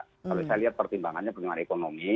kalau saya lihat pertimbangannya pertimbangan ekonomi